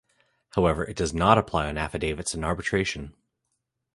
However, it does not apply on affidavits and arbitration.